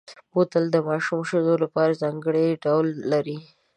بوتل د ماشومو شیدو لپاره ځانګړی ډول لري.